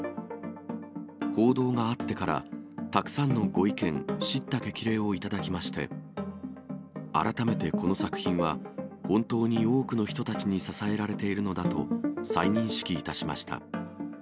報道があってから、たくさんのご意見、しった激励を頂きまして、改めてこの作品は、本当に多くの人たちに支えられているのだと、再認識いたしました。